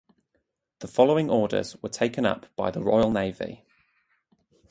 The following orders were taken up by the Royal Navy.